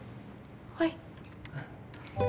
はい。